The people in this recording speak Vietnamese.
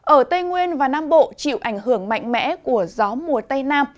ở tây nguyên và nam bộ chịu ảnh hưởng mạnh mẽ của gió mùa tây nam